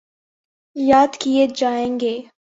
یاد کیے جائیں گے۔